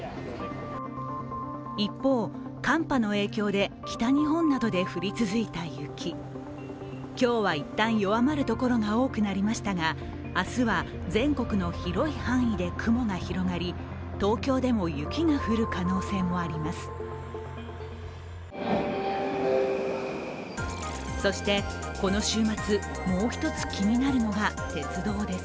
一方、寒波の影響で北日本などで降り続いた雪。今日は一旦弱まる所が多くなりましたが、明日は全国の広い範囲で雲が広がり東京でも雪が降る可能性もあります。